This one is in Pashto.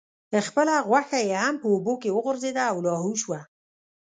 خپله غوښه یې هم په اوبو کې وغورځیده او لاهو شوه.